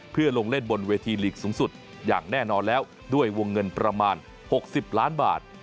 เพื่อลงเล่นบนเวทีลีกสูงสุดอย่างแน่นอนแล้วด้วยวงเงินประมาณ๖๐ล้านบาท